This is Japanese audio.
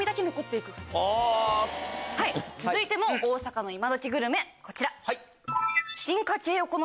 続いても大阪の今どきグルメこちら。